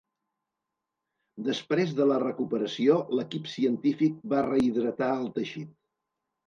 Després de la recuperació, l'equip científic va rehidratar el teixit.